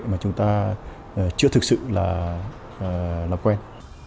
mà chúng ta chưa thực sự là làm quen